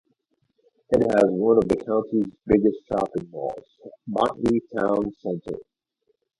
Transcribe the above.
It has one of the country's biggest shopping malls - Botany Town Centre.